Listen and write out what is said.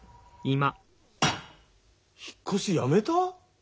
引っ越しやめた？